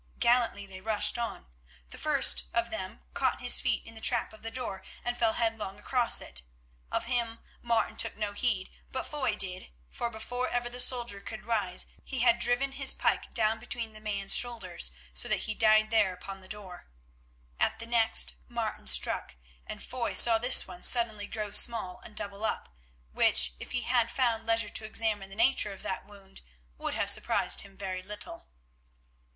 Gallantly they rushed on. The first of them caught his feet in the trap of the door and fell headlong across it. Of him Martin took no heed, but Foy did, for before ever the soldier could rise he had driven his pike down between the man's shoulders, so that he died there upon the door. At the next Martin struck, and Foy saw this one suddenly grow small and double up, which, if he had found leisure to examine the nature of that wound, would have surprised him very little.